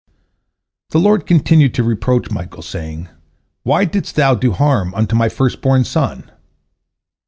The Lord continued to reproach Michael, saying, "Why didst thou do harm unto My first born son?"